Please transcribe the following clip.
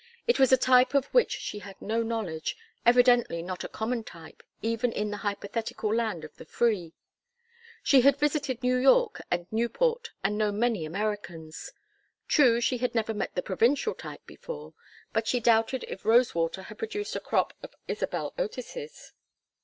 It was a type of which she had no knowledge, evidently not a common type even in the hypothetical land of the free; she had visited New York and Newport and known many Americans. True, she had never met the provincial type before, but she doubted if Rosewater had produced a crop of Isabel Otises.